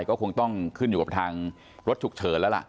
ก็คงต้องขึ้นอยู่กับทางรถฉุกเฉินแล้วล่ะ